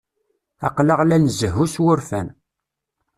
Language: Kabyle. Aql-aɣ la nzehhu s wurfan.